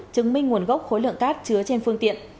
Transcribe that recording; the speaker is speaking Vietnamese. chứng minh nguồn gốc khối lượng cát chứa trên phương tiện